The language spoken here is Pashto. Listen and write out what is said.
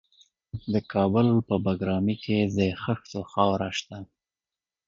د کابل په بګرامي کې د خښتو خاوره شته.